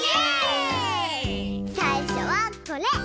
さいしょはこれ！